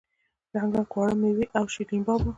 رنګ رنګ خواړه میوې او شیریني باب وو.